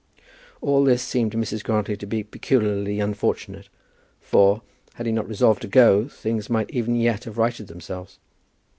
All this seemed to Mrs. Grantly to be peculiarly unfortunate, for, had he not resolved to go, things might even yet have righted themselves.